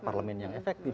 parlemen yang efektif